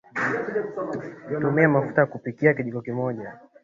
tumia mafuta ya kupikia kijiko kimoja